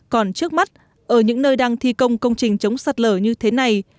còn trước mắt ở những nơi đang thi công công trình chống sạt lở như thế này